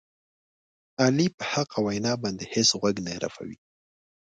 علي په حقه وینا باندې هېڅ غوږ نه رپوي.